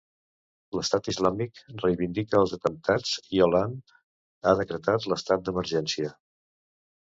L'Estat Islàmic reivindica els atemptats i Hollande ha decretat l'estat d'emergència.